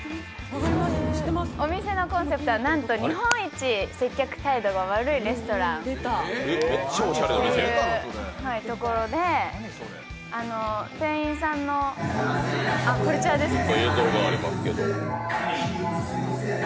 お店のコンセプトは、なんと日本一接客態度が悪いレストランで店員さんの、こちらですね。